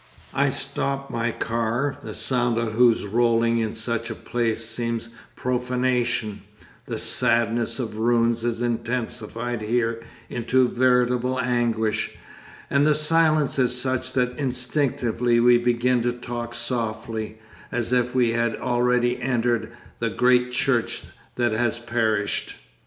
I stop my car, the sound of whose rolling in such a place seems profanation; the sadness of ruins is intensified here into veritable anguish, and the silence is such that instinctively we begin to talk softly, as if we had already entered the great church that has perished.